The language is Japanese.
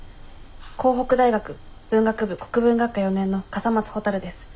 甲北大学文学部国文学科４年の笠松ほたるです。